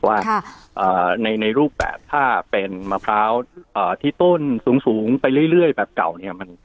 ว่าในรูปแบบถ้าเป็นมะพร้าวที่ต้นสูงไปเรื่อยแบบเก่าเนี่ย